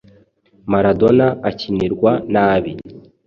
Maradona akinirwa nabi